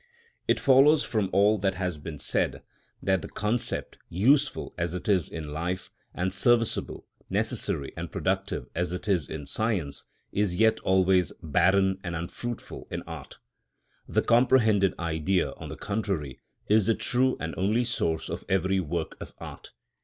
It follows from all that has been said, that the concept, useful as it is in life, and serviceable, necessary and productive as it is in science, is yet always barren and unfruitful in art. The comprehended Idea, on the contrary, is the true and only source of every work of art.